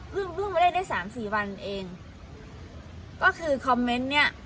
เพิ่งมาได้ได้สามสี่วันเองก็คือคอมเมนต์เนี้ย